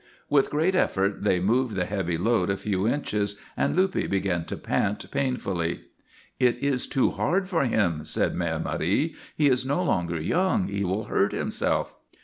With great effort they moved the heavy load a few inches, and Luppe began to pant painfully. "It is too hard for him," said Mère Marie. "He is no longer young. He will hurt himself."